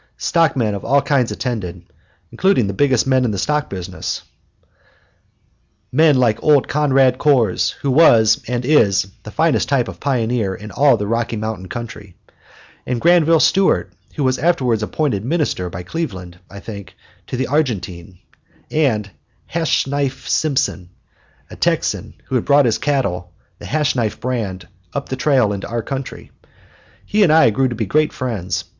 Stockmen of all kinds attended, including the biggest men in the stock business, men like old Conrad Kohrs, who was and is the finest type of pioneer in all the Rocky Mountain country; and Granville Stewart, who was afterwards appointed Minister by Cleveland, I think to the Argentine; and "Hashknife" Simpson, a Texan who had brought his cattle, the Hashknife brand, up the trail into our country. He and I grew to be great friends.